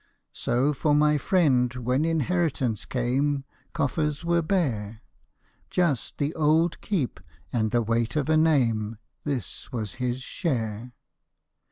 So for my friend, when inheritance came Coffers were bare, Just the old keep and the weight of a name, This was his share.